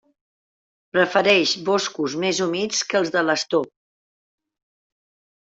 Prefereix boscos més humits que els de l'astor.